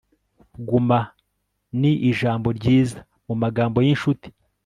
guma ni ijambo ryiza mu magambo y'inshuti